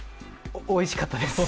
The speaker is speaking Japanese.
おいしかったです。